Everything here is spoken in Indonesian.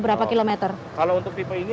berapa kilometer kalau untuk tipe ini